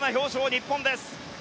日本です。